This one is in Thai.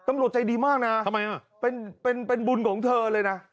ตำรวจใจดีมากนะทำไมอ่ะเป็นบุญของเธอเลยนะ